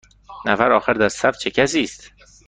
نفر آخر در صف چه کسی است؟